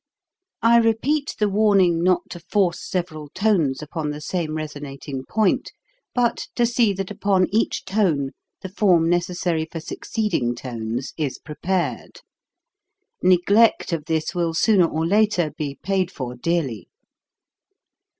202 HOW TO SING I repeat the warning, not to force several tones upon the same resonating point, but to see that upon each tone the form neces sary for succeeding tones is prepared. Neg lect of this will sooner or later be paid for dearly.